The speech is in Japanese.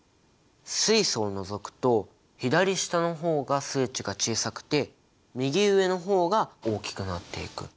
水素を除くと左下の方が数値が小さくて右上の方が大きくなっていく。